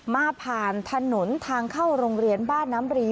ผ่านถนนทางเข้าโรงเรียนบ้านน้ำรี